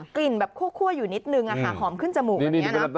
กลิ่นแบบคั่วอยู่นิดนึงหอมขึ้นจมูกแบบนี้นะ